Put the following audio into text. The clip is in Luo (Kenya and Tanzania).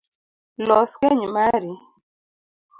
Los keny mari